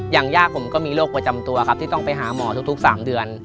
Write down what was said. อย่างย่าผมก็มีโรคประจำตัวครับที่ต้องไปหาหมอทุก๓เดือน